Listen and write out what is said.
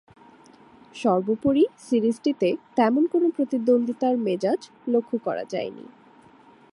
সর্বোপরি সিরিজটিতে তেমন কোন প্রতিদ্বন্দ্বিতার মেজাজ লক্ষ্য করা যায়নি।